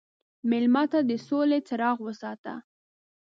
مېلمه ته د سولې څراغ وساته.